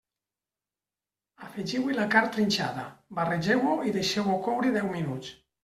Afegiu-hi la carn trinxada, barregeu-ho i deixeu-ho coure deu minuts.